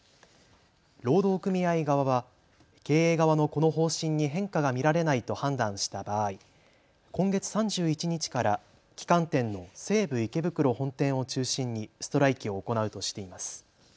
労働組合側は経営側のこの方針に変化が見られないと判断した場合、今月３１日から旗艦店の西武池袋本店を中心にストライキを行うとしています。